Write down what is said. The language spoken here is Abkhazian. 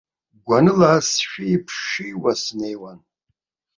Гәаныла сшәииԥшьиуа снеиуан.